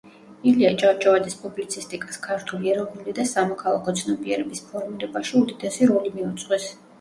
ილია ჭავჭავაძის პუბლიცისტიკას ქართული ეროვნული და სამოქალაქო ცნობიერების ფორმირებაში უდიდესი როლი მიუძღვის.